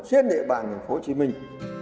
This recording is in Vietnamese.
xuyên địa bàn hồ chí minh